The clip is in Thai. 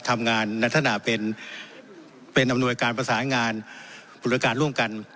ทำงานนัทนาเป็นอำนวยการประสานงานอำนวยการร่วมกัน